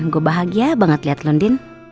gue bahagia banget liat lo din